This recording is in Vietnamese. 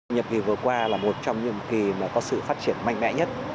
nhập kỳ vừa qua là một trong những kỳ có sự phát triển mạnh mẽ nhất